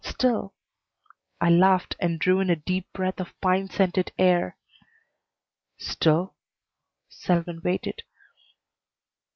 Still " I laughed and drew in a deep breath of pine scented air. "Still ?" Selwyn waited.